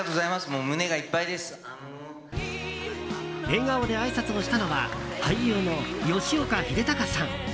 笑顔であいさつをしたのは俳優の吉岡秀隆さん。